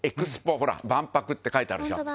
ほら万博って書いてあるでしょ。